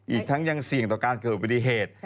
อีกทั้งยังเสี่ยงต่อการเกิดอุบัติเหตุ